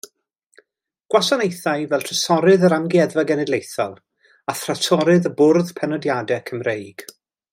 Gwasanaethai fel trysorydd yr Amgueddfa Genedlaethol; a thrysorydd y Bwrdd Penodiadau Cymreig.